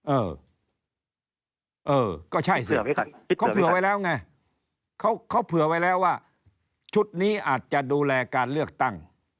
เออเออก็ใช่เขาเผื่อไว้แล้วไงเขาเผื่อไว้แล้วว่าชุดนี้อาจจะดูแลการเลือกตั้ง